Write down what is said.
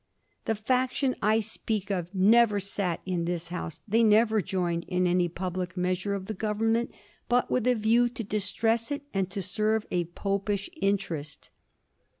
"The faction I speak of never sat in this House, they never joined in any public measure of the Government but with a view to distress it and to serve a Popish interest."